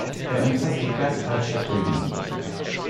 Er umfasste die kreisfreie Stadt Regensburg.